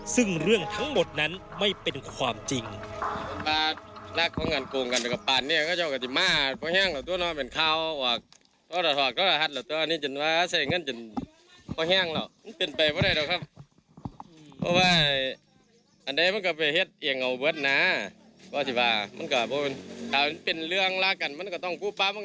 ซึ่งเรื่องทั้งหมดนั้นไม่เป็นความจริง